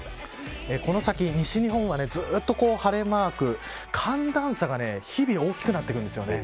この先、西日本はずっと晴れマーク寒暖差が日々大きくなっていくんですよね。